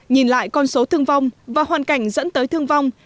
nhìn lại con số thương vong và hoàn cảnh dẫn tới thương vong